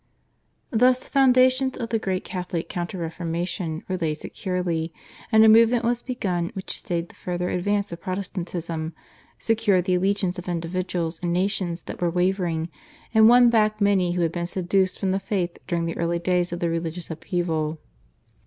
Thus the foundations of the great Catholic Counter Reformation were laid securely, and a movement was begun which stayed the further advance of Protestantism, secured the allegiance of individuals and nations that were wavering, and won back many who had been seduced from the faith during the early days of the religious upheaval.